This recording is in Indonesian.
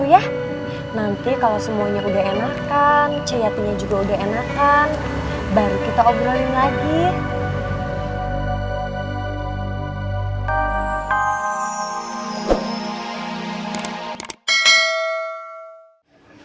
ya nanti kalau semuanya udah enakan ceyatinya juga udah enakan baru kita obrolin lagi